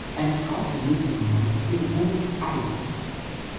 Eine Frau verliert ihren Mann, ihre Wohnung, alles.